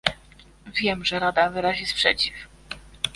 Wiem, że Rada wyrazi sprzeciw